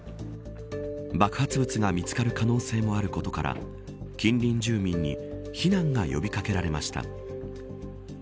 爆発物が見つかる可能性もあることから近隣住民に避難が呼び掛けられました。